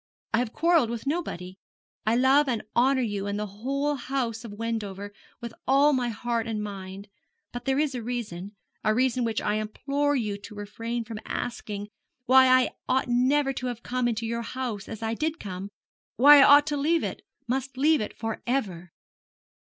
I have quarrelled with nobody. I love and honour you and the whole house of Wendover with all my heart and mind. But there is a reason a reason which I implore you to refrain from asking why I ought never to have come into your house, as I did come why I ought to leave it must leave it for ever!'